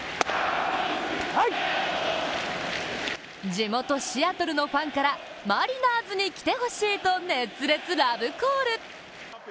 地元シアトルのファンからマリナーズに来てほしいと熱烈ラブコール。